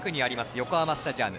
横浜スタジアム。